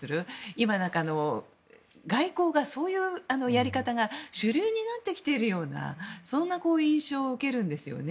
今の外交は、そういうやり方が主流になってきているようなそんな印象を受けるんですよね。